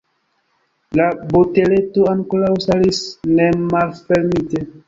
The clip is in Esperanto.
La boteleto ankoraŭ staris nemalfermite.